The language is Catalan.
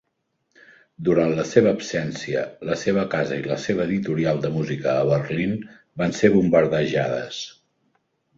Durant la seva absència, la seva casa i la seva editorial de música a Berlin van ser bombardejades.